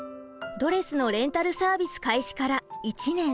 ドレスのレンタルサービス開始から１年。